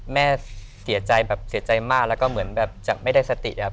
แม่เสียใจแบบเสียใจมากแล้วก็เหมือนแบบจะไม่ได้สติครับ